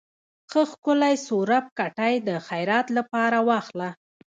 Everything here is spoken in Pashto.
ښه ښکلے څورب کټے د خيرات لپاره واخله۔